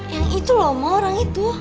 yang itu lo mau orang itu